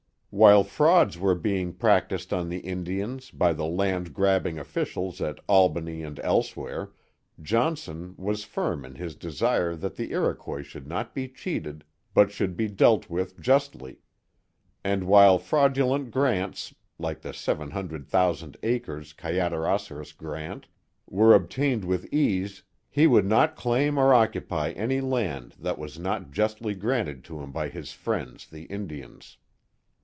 While frauds were being practised on the Indians by the land grabbing officials at Albany and elsewhere, Johnson, was firm in his desire that the Iroquois should not be cheated but should be dealt with justly. And while fraudulent grants, like the seven hundred thousand acres Kayaderosseras grant, were obtained with ease, he would not claim or occupy any land that was not justly granted to him by his friends the Indians.